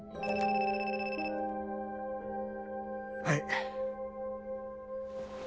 はい。